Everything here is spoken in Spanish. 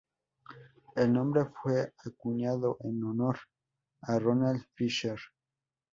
El nombre fue acuñado en honor a Ronald Fisher.